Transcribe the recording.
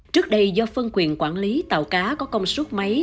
trước đây do phân quyền quản lý tàu cá có công suất mấy